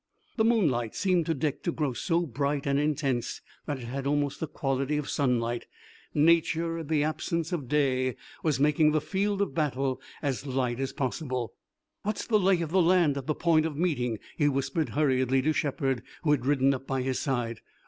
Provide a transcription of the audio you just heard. The moonlight seemed to Dick to grow so bright and intense that it had almost the quality of sunlight. Nature, in the absence of day, was making the field of battle as light as possible. "What's the lay of the land at the point of meeting?" he whispered hurriedly to Shepard who had ridden up by his side.